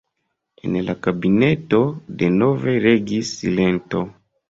En la kabineto denove regis silento.